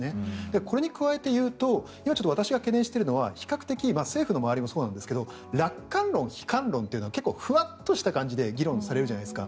これに加えていうと私が懸念しているのは比較的政府の周りもそうなんですが楽観論、悲観論というのがフワッとした感じで議論されるじゃないですか。